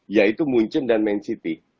ya itu munchen dan man city